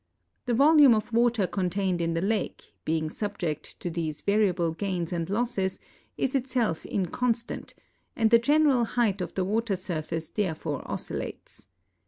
The volume of water contained in the lake, being subject to these variable gains and losses, is itself inconstant, and the general height of the water surface therefore oscillates.